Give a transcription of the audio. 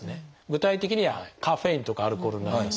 具体的にはカフェインとかアルコールになります。